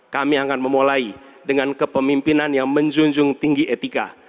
kami akan memulai dengan kepemimpinan yang menjunjung tinggi etika